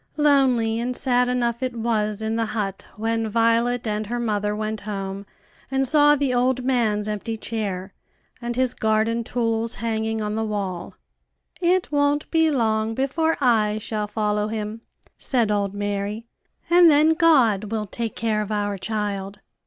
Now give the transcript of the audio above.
Lonely and sad enough it was in the hut when Violet and her mother went home and saw the old man's empty chair, and his garden tools hanging on the wall. "It won't be long before I shall follow him," said old Mary, "and then God will take care of our child."